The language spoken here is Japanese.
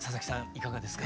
いかがですか？